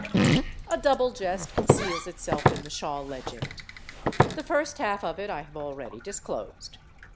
A double jest conceals itself in the Shaw legend. The first half of it I have already disclosed.